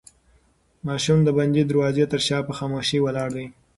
ماشوم د بندې دروازې تر شا په خاموشۍ ولاړ دی.